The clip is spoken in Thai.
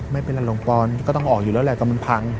ไม่เป็นไรลงปอนก็ต้องออกอยู่แล้วแหละแต่มันพัง